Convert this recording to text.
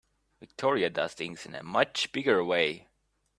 Victoria does things in a much bigger way.